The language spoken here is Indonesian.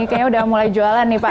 kayaknya udah mulai jualan nih pak